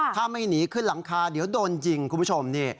ถ้าไม่หนีขึ้นหลังคาเดี๋ยวโดนยิงคุณผู้ชม